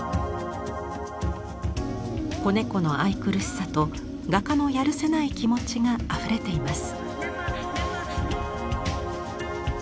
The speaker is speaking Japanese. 子猫の愛くるしさと画家のやるせない気持ちがあふれています。